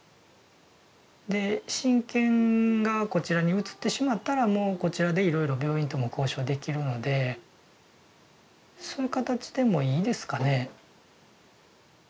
で親権がこちらに移ってしまったらもうこちらでいろいろ病院とも交渉できるのでそういう形でもいいですかね？